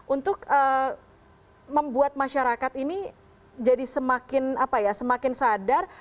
untuk membuat masyarakat ini jadi semakin apa ya semakin sadar